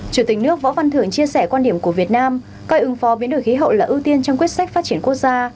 chủ tịch nước võ văn thưởng chia sẻ quan điểm của việt nam coi ứng phó biến đổi khí hậu là ưu tiên trong quyết sách phát triển quốc gia